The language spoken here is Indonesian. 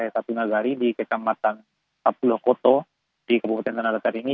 satu nagari di kecamatan ablokoto di kabupaten tanah datar ini